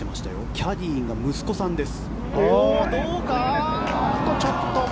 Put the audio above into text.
キャディーが息子さんです。